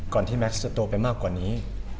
ที่แม็กซ์จะโตไปมากกว่านี้